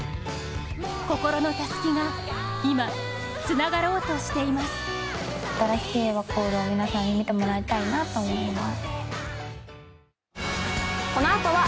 心のたすきが今、つながろうとしています。